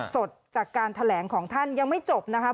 สดจากการแถลงของท่านยังไม่จบนะครับ